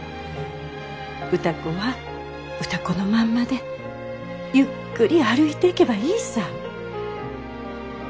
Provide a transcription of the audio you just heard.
歌子は歌子のまんまでゆっくり歩いていけばいいさ。